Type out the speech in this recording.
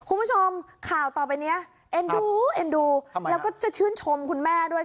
คุณผู้ชมข่าวต่อไปเนี้ยเอ็นดูเอ็นดูแล้วก็จะชื่นชมคุณแม่ด้วย